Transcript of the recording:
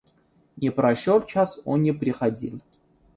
Но прошел час, он не приходил.